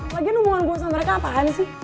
lagian omongan gue sama mereka apaan sih